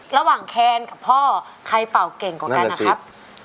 แคนกับพ่อใครเป่าเก่งกว่ากันนะครับ